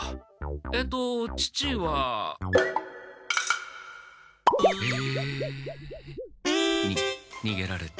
えと父は。え？ににげられた。